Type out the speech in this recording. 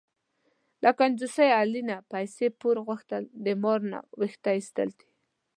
له کنجوس علي نه پیسې پور غوښتل، د مار نه وېښته ایستل دي.